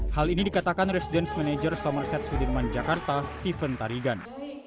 hal ini dikatakan residence manager summercep sudirman jakarta steven tarigan